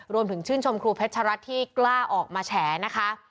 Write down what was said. รวมถึงชื่นชมครูเพชรรัฐที่กล้าออกมาแฉนะคะ